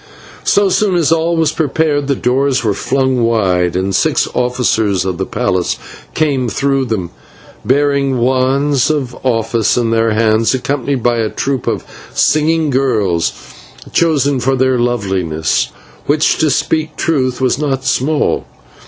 So soon as all was prepared, the doors were flung wide, and six officers of the palace came through them, bearing wands of office in their hands, accompanied by a troop of singing girls chosen for their loveliness, which, to speak truth, was not small.